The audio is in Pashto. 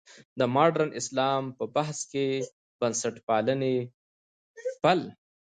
د مډرن اسلام په بحث کې د بنسټپالنې پل.